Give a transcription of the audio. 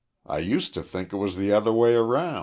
I used to think it was the other way about."